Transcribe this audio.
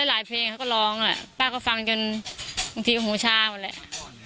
ได้หลายเพลงเขาก็ร้องอ่ะแหละป้าก็ฟังจนบางทีโอโหชาวันแหละ